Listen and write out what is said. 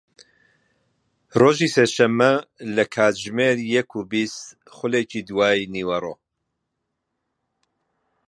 ڕۆژی سێشەممە لە کاتژمێر یەک و بیست خولەکی دوای نیوەڕۆ